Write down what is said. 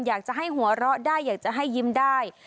อยากจะให้หัวเราะได้อยากจะให้ยิ้มได้